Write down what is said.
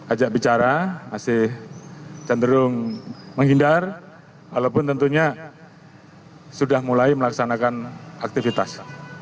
ajak bicara masih cenderung menghindar walaupun tentunya sudah mulai melaksanakan aktivitas